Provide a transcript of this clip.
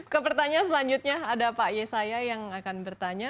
ke pertanyaan selanjutnya ada pak yesaya yang akan bertanya